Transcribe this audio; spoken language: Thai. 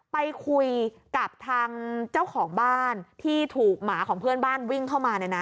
ไปคุยกับทางเจ้าของบ้านที่ถูกหมาของเพื่อนบ้านวิ่งเข้ามาเนี่ยนะ